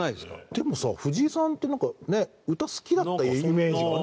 でもさ藤井さんってなんか歌好きだったイメージがね。